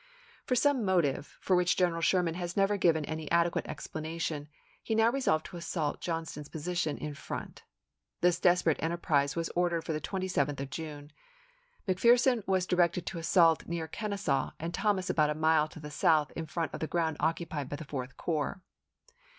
For some motive, for which General Sherman has never given any adequate explanation, he now re solved to assault Johnston's position in front. This desperate enterprise was ordered for the 27th 1864. of June. McPherson was directed to assault near Kenesaw, and Thomas about a mile to the south in front of the ground occupied by the Fourth Corps.